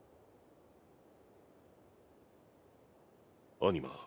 アニマ